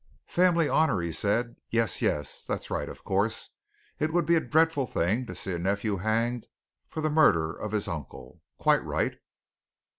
"Family honour!" he said. "Yes, yes, that's right, of course. It would be a dreadful thing to see a nephew hanged for the murder of his uncle quite right!"